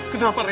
saya pun pasrah